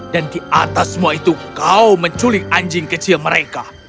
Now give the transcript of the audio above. dan di atas semua itu kau menculik anjing kecil mereka